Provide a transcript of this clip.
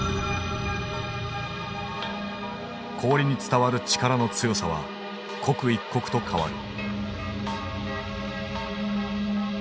氷に伝わる力の強さは刻一刻と変わる。